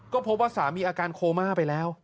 ก็พบว่าสามีอาการโคม่าไปแล้ว